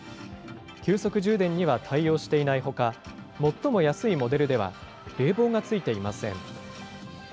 急速充電には対応していないほか、最も安いモデルでは、冷房がついていません。